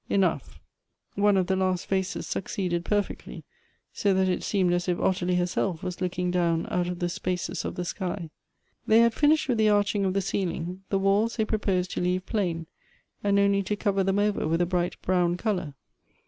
Enough ; one of the last faces succeeded perfectly ; so that it seemed as if Ottilie her self was looking down out of the spaces of the sky. They had finished with the arching of the ceiling. The walls they proposed to leave plain, and only to cover them over with a bright brown color.